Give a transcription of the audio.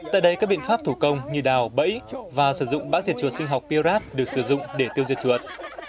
tại đây các biện pháp thủ công như đào bẫy và sử dụng mã diệt chuột sinh học pierrap được sử dụng để tiêu diệt chuột